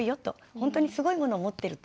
ほんとにすごいものを持ってると。